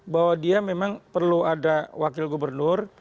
bahwa dia memang perlu ada wakil gubernur